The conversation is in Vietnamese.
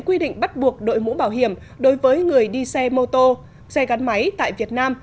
quy định bắt buộc đội mũ bảo hiểm đối với người đi xe mô tô xe gắn máy tại việt nam